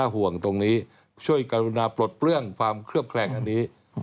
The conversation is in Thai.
ห่วงตรงนี้ช่วยกรุณาปลดเปลื้องความเคลือบแคลงอันนี้